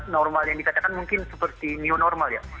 normal yang dikatakan mungkin seperti new normal ya